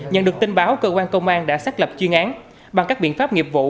nhận được tin báo cơ quan công an đã xác lập chuyên án bằng các biện pháp nghiệp vụ